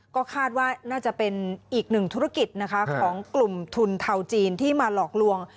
ก็คาดว่าน่าจะเป็นอีกหนึ่งธุรกิจนะคะของกลุ่มทุนเทาจีนที่มาหลอกลวง